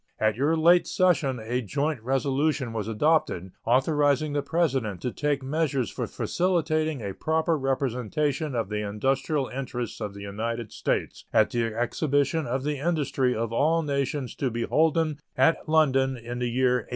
At your late session a joint resolution was adopted authorizing the President to take measures for facilitating a proper representation of the industrial interests of the United States at the exhibition of the industry of all nations to be holden at London in the year 1862.